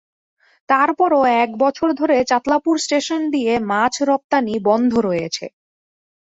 তারপরও এক বছর ধরে চাতলাপুর স্টেশন দিয়ে মাছ রপ্তানি বন্ধ রয়েছে।